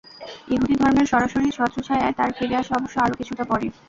ইহুদি ধর্মের সরাসরি ছত্রচ্ছায়ায় তাঁর ফিরে আসা অবশ্য আরও কিছুটা পরে।